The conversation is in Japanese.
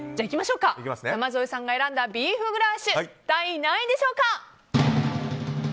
山添さんが選んだビーフグラーシュは第何位でしょうか。